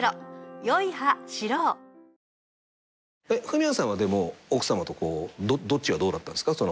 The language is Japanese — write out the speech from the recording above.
フミヤさんはでも奥さまとどっちがどうだったんですか？